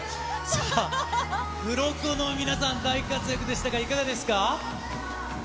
さあ、黒子の皆さん、大活躍でしたが、いかがでしたか。